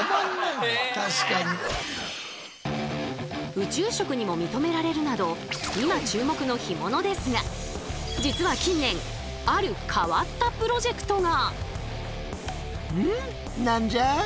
宇宙食にも認められるなど実は近年ある変わったプロジェクトが！